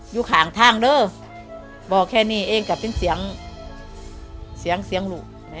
อยู่ข่างทางเนอะบอกแค่นี้เองก็เป็นเสียงเสียงเสียงหลุมั้ย